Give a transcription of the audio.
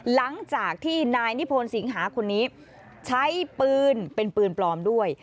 หลังจากที่นายนิพนธ์สิงหาคนนี้ใช้ปืนเป็นปืนปลอมด้วย